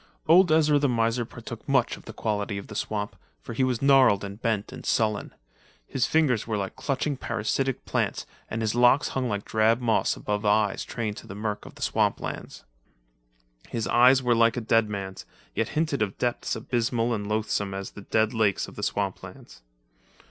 Old Ezra the miser partook much of the quality of the swamp, for he was gnarled and bent and sullen; his fingers were like clutching parasitic plants and his locks hung like drab moss above eyes trained to the murk of the swamplands. His eyes were like a dead man's, yet hinted of depths abysmal and loathsome as the dead lakes of the swamplands.